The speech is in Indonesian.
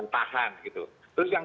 tahan gitu terus yang